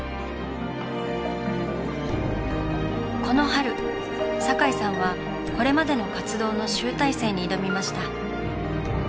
この春堺さんはこれまでの活動の集大成に挑みました。